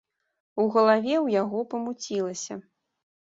У галаве ў яго памуцілася.